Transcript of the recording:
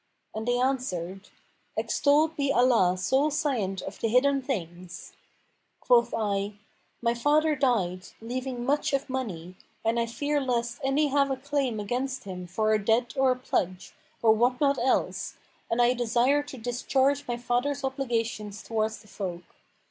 And they answered, 'Extolled be Allah sole Scient of the hidden things.[FN#489]' Quoth I, 'My father died, leaving much of money, and I fear lest any have a claim against him for a debt or a pledge[FN#490] or what not else, and I desire to discharge my father's obligations towards the folk.